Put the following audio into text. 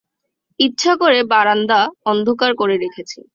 ইচ্ছা করে বারান্দা অন্ধকার করে রেখেছি।